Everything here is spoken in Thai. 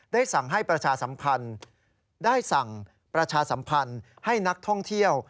ได้สั่งให้ประชาสัมพันธ์ให้นักท่องเที่ยว